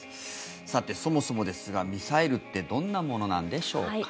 さて、そもそもですがミサイルってどんなものなんでしょうか。